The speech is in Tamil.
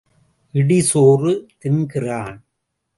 இடி சோறு தின்கிறான்.